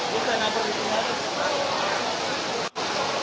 bisa nanti berikutnya